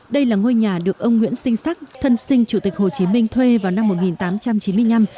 đây là ngôi nhà được ông nguyễn sinh sắc thân sinh chủ tịch hồ chí minh thuê vào năm một nghìn tám trăm chín mươi năm